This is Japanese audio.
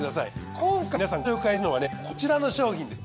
今回皆さんご紹介するのはねこちらの商品です。